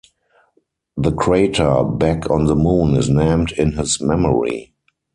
The crater Back on the Moon is named in his memory.